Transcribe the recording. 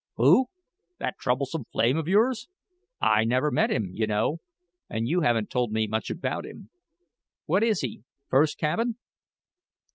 "Who that troublesome flame of yours? I never met him, you know, and you haven't told me much about him. What is he first cabin?"